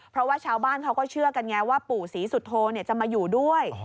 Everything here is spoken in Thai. เพราะว่าชาวบ้านเขาก็เชื่อกันไงว่าปู่ศรีสุโธจะมาอยู่ด้วย